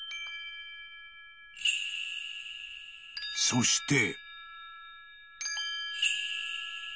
［そして］